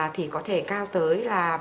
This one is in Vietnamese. thì có thể cao tới là